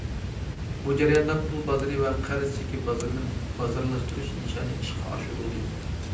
بۇ جەرياندا پۇل بازىرى ۋە قەرز چېكى بازىرىنى بازارلاشتۇرۇش نىشانى ئىشقا ئاشۇرۇلدى.